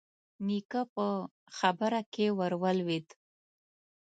نيکه په خبره کې ور ولوېد: